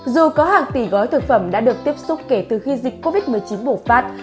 dù có hàng tỷ gói thực phẩm đã được tiếp xúc kể từ khi dịch covid một mươi chín bùng phát